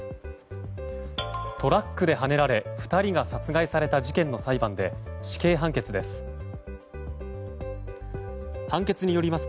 トラックではねられ２人が殺害された事件の裁判で死刑判決です。